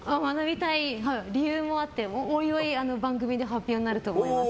理由もあっておいおい番組で発表になると思います。